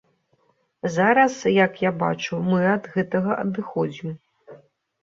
Зараз, як я бачу, мы ад гэтага адыходзім.